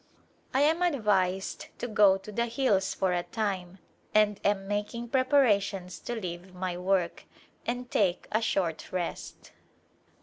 I am advised to go to the hills for a time and am making preparations to leave my work and take a short rest.